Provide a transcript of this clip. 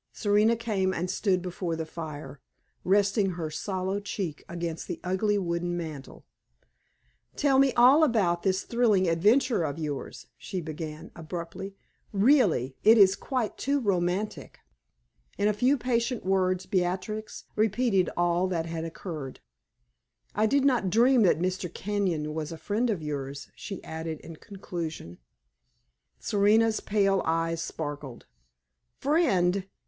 Serena came and stood before the fire, resting her sallow cheek against the ugly wooden mantel. "Tell me all about this thrilling adventure of yours," she began, abruptly; "really, it is quite too romantic!" In a few patient words Beatrix repeated all that had occurred. "I did not dream that Mr. Kenyon was a friend of yours," she added, in conclusion. Serena's pale eyes sparkled. "Friend?